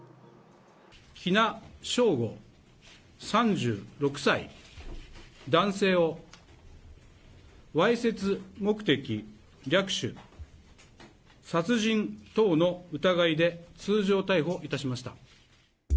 喜納尚吾３６歳男性を、わいせつ目的略取、殺人等の疑いで通常逮捕いたしました。